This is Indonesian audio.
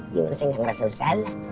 gimana saya gak ngerasa bersalah